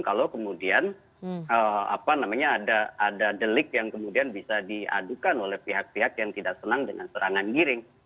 kalau kemudian ada delik yang kemudian bisa diadukan oleh pihak pihak yang tidak senang dengan serangan giring